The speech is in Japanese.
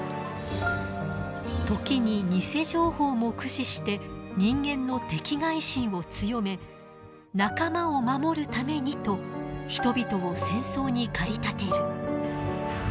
時に偽情報も駆使して人間の敵がい心を強め仲間を守るためにと人々を戦争に駆り立てる。